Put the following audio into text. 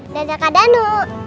dada kak danu